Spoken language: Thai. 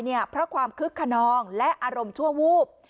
เพราะความคึกขนองและอารมณ์ชั่ววูบ